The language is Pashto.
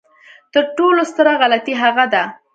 تر ټولو ستره غلطي هغه ده.